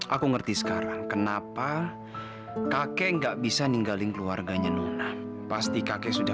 aku ngerti sekarang kenapa kakek nggak bisa ninggalin keluarganya nur pasti kakek sudah